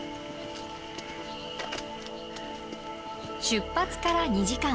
出発から２時間。